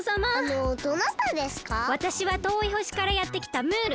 わたしはとおいほしからやってきたムール！